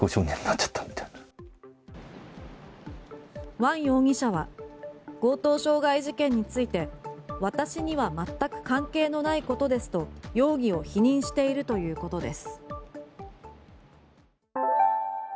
ワン容疑者は強盗傷害事件について私には全く関係のないことですと容疑を否認しているということです。